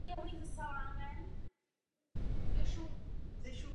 Při jižním okraji občiny protéká říčka Mirna.